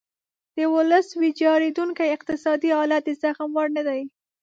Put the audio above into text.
د ولس ویجاړیدونکی اقتصادي حالت د زغم وړ نه دی.